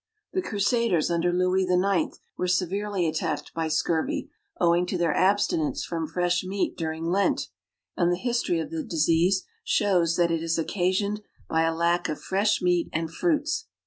The Crusaders under Louis IX. were severely attacked by scurvy, owing to their abstinence from fresh meat during Lent, and the history of the disease shows that it is occasioned by a lack of fresh meat and fruits.